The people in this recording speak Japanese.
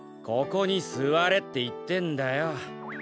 ここにすわれっていってんだよ。